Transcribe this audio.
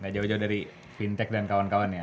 jauh jauh dari fintech dan kawan kawan ya